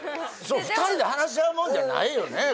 それ２人で話し合うもんじゃないよね